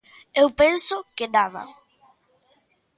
Eu penso que nada.